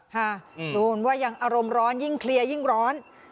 ดูเหมือนว่ายังอารมณ์ร้อนยิ่งเคลียร์ยิ่งร้อน